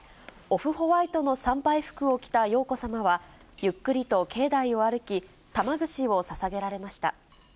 オフホワイトの参拝服を着た瑶子さまは、ゆっくりと境内を歩き、玉串をささげられました。